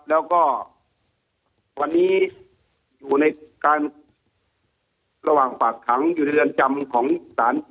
แล้วก็วันนี้อยู่ในการระหว่างฝากขังอยู่ในเรือนจำของศาล